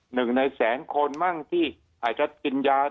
หนึ่งในแสนคนบ้างที่หายชัดกินยา